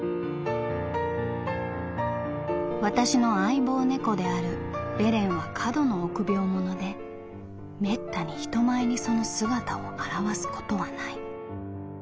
「私の相棒猫であるベレンは過度の臆病者で滅多に人前にその姿を現すことはない。